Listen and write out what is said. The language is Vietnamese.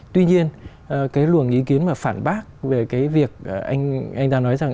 tuy nhiên cái luồng ý kiến mà phản bác về cái việc anh ta nói rằng